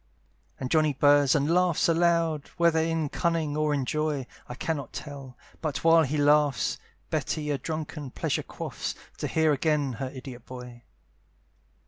And Johnny burrs and laughs aloud, Whether in cunning or in joy, I cannot tell; but while he laughs, Betty a drunken pleasure quaffs, To hear again her idiot boy.